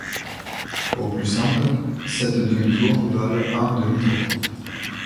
Au plus simple, sept demi-tours valent un demi-tour.